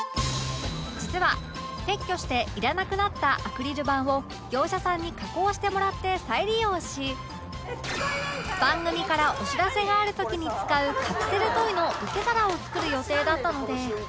実は撤去していらなくなったアクリル板を業者さんに加工してもらって再利用し番組からお知らせがある時に使うカプセルトイの受け皿を作る予定だったので